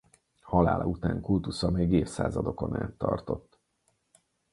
Halála után kultusza még évszázadokon át tartott.